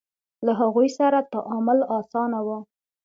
له هغوی سره تعامل اسانه و.